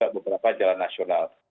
beberapa jalan nasional